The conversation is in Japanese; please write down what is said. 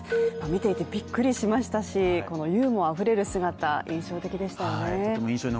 見ていてびっくりしましたし、ユーモアあふれる姿は印象的でしたよね。